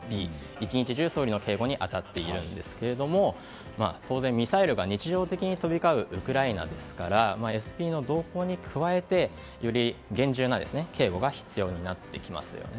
１日中、総理の警護に当たっているんですが当然ミサイルが日常的に飛び交うウクライナですからＳＰの動向に加えてより厳重な警護が必要になってきます。